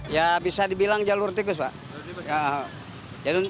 ya bisa dibilang jalur tikus pak